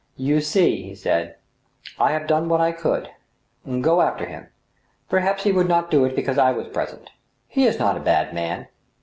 " You see," he said, " I have done what I could. ... Go after him. ... Perhaps he would not do it because I was present. ... He is not a bad man."